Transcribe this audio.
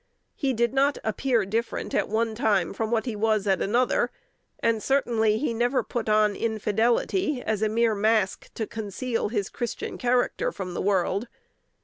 He did not "appear different" at one time from what he was at another, and certainly he never put on infidelity as a mere mask to conceal his Christian character from the world.